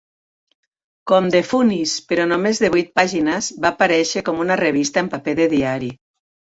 Com "The Funnies, però només de vuit pàgines, va aparèixer com una revista en paper de diari.